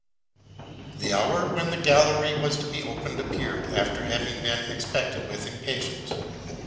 The hour when the gallery was to be opened appeared, after having been expected with impatience.